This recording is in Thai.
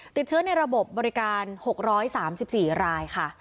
ติดเชื้อในระบบบริการ๖๓๔รายค่ะ